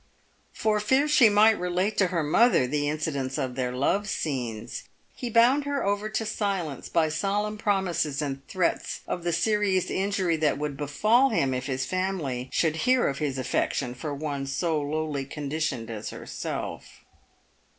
Eor fear she might relate to her mother the incidents of their love scenes, he bound her over to silence by solemn promises and threats of the serious injury that would befal him if his family should hear of his affection for one so lowly conditioned as herself.